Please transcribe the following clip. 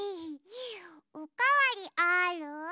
おかわりある？